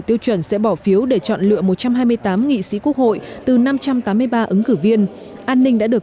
tiêu chuẩn sẽ bỏ phiếu để chọn lựa một trăm hai mươi tám nghị sĩ quốc hội từ năm trăm tám mươi ba ứng cử viên an ninh đã được